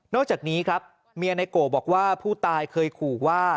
อกจากนี้ครับเมียในโกบอกว่าผู้ตายเคยขู่ว่า